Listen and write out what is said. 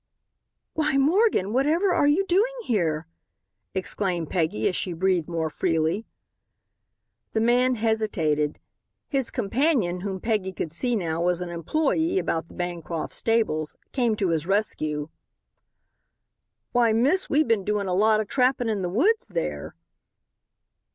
"Why, Morgan, whatever are you doing here?" exclaimed Peggy as she breathed more freely. The man hesitated. His companion, whom Peggy could now see was an employe about the Bancroft stables, came to his rescue. "Why, miss, we've been doin' a bit of trapping in the woods there."